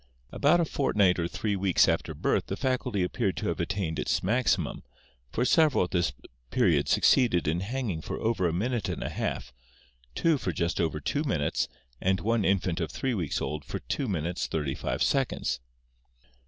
About a fortnight or three weeks after birth the faculty appeared to have attained its maxi mum, for several at this period succeeded in hanging for over a minute and a half, two for just over two minutes, and one infant of three weeks old for two minutes thirty five seconds.